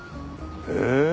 へえ！